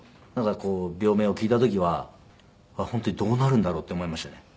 なんかこう病名を聞いた時は本当にどうなるんだろうって思いましたね。